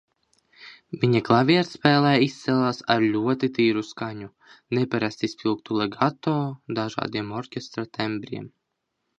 Viņa klavierspēle izcēlās ar ļoti tīru skaņu, neparasti spilgtu legato, dažādiem orķestra tembriem.